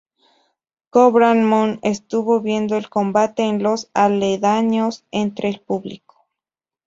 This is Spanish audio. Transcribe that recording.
Kobra Moon estuvo viendo el combate en los aledaños, entre el público.